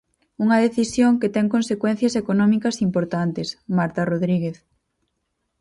Unha decisión que ten consecuencias económicas importantes, Marta Rodríguez.